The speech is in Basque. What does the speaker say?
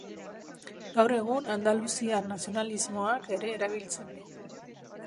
Gaur egun, andaluziar nazionalismoak ere erabiltzen du.